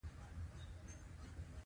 د دغه توپان خونړۍ څپې لا پاتې دي.